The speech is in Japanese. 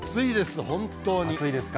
暑いですか。